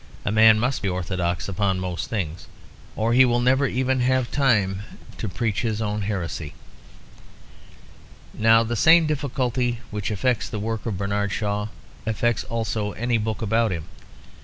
A man must be orthodox upon most things, or he will never even have time to preach his own heresy. Now the same difficulty which affects the work of Bernard Shaw affects also any book about him.